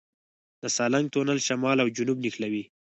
د سالنګ تونل شمال او جنوب نښلوي